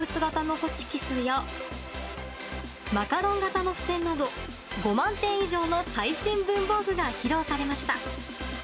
動物形のホチキスやマカロン形の付箋など５万点以上の最新文房具が披露されました。